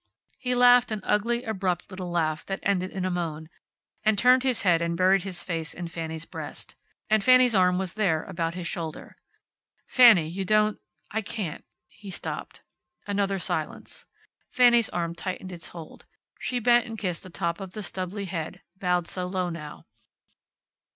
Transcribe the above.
He laughed, an ugly, abrupt little laugh that ended in a moan, and turned his head and buried his face in Fanny's breast. And Fanny's arm was there, about his shoulder. "Fanny, you don't I can't " He stopped. Another silence. Fanny's arm tightened its hold. She bent and kissed the top of the stubbly head, bowed so low now.